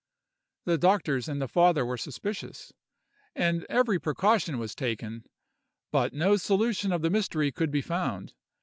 The doctors and the father were suspicious, and every precaution was taken, but no solution of the mystery could be found.